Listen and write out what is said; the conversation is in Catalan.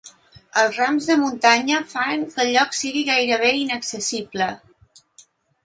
Els rams de la muntanya fan que el lloc sigui gairebé inaccessible.